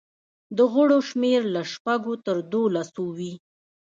د غړو شمېر له شپږو تر دولسو وي.